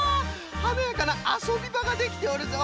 はなやかなあそびばができておるぞ。